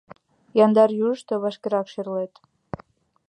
Яндар южышто вашкерак шӧрлет.